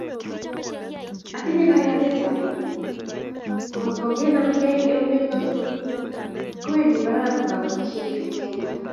Atinye kayanet ole ngotkenamkei eunek tugul kowendi barak kobotisiet eng Kenya